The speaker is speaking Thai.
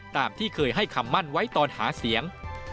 ตามที่เคยให้คำมั่นไว้ตอนหาเสียง